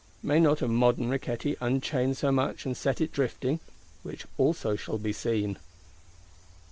May not a modern Riquetti unchain so much, and set it drifting,—which also shall be seen?